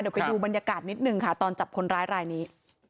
เดี๋ยวไปดูบรรยากาศนิดหนึ่งค่ะตอนจับคนร้ายรายนี้